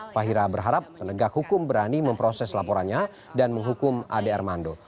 fahira berharap penegak hukum berani memproses laporannya dan menghukum ade armando